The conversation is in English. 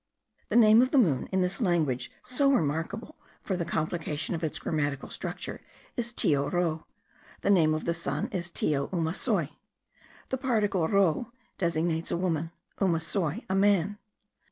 The name of the moon, in this language so remarkable for the complication of its grammatical structure, is Teo ro. The name of the sun is Teo umasoi. The particle ro designates a woman, umasoi a man.